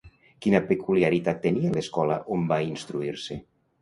Quina peculiaritat tenia l'escola on va instruir-se?